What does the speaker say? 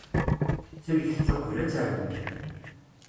Sellket-tt uqbel ad terwi.